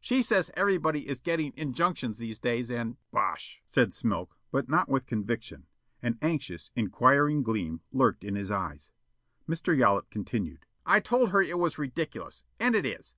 She says everybody is getting injunctions these days and " "Bosh!" said Smilk, but not with conviction. An anxious, inquiring gleam lurked in his eyes. Mr. Yollop continued: "I told her it was ridiculous, and it is.